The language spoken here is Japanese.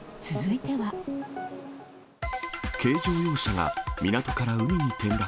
軽乗用車が港から海に転落。